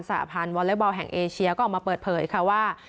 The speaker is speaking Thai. หพันธ์วอเล็กบอลแห่งเอเชียก็ออกมาเปิดเผยค่ะว่า